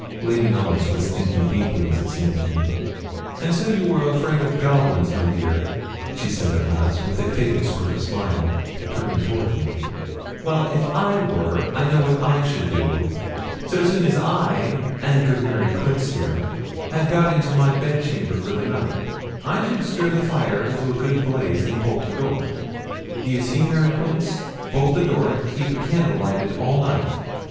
Lady Knollys was thinking deeply, as it seemed to me. 'And so you are afraid of goblins, my dear,' she said at last, with a faded sort of smile, turning toward me; 'well, if I were, I know what I should do so soon as I, and good Mary Quince here, had got into my bed chamber for the night, I should stir the fire into a good blaze, and bolt the door do you see, Mary Quince? bolt the door and keep a candle lighted all night.